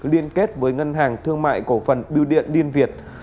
liên kết với ngân hàng thương mại cổ phần biêu điện liên việt